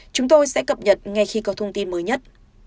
chúng tôi sẽ cập nhật ngay khi có thông tin mới nhất